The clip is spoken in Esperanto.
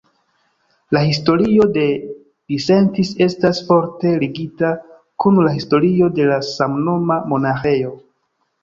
La historio de Disentis estas forte ligita kun la historio de la samnoma monaĥejo.